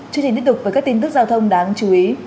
chương trình tiếp tục với các tin tức giao thông đáng chú ý